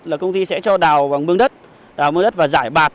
là công ty sẽ cho đào bằng mương đất và giải bạc